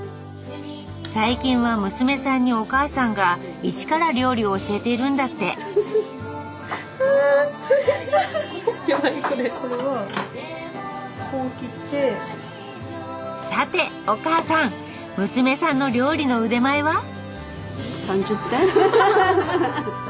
最近は娘さんにお母さんが一から料理を教えているんだってさてお母さん娘さんの料理の腕前は？